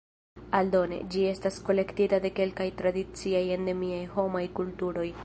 Aldone, ĝi estas kolektita de kelkaj tradiciaj endemiaj homaj kulturoj.